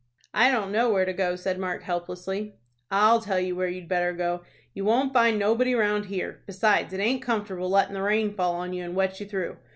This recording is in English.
"I don't know where to go," said Mark, helplessly. "I'll tell you where you'd better go. You won' find nobody round here. Besides it aint comfortable lettin' the rain fall on you and wet you through."